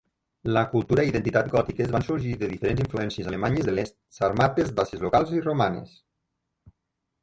La cultura i identitat gòtiques van sorgir de diferents influències alemanyes de l'est, sàrmates, dàcies locals i romanes.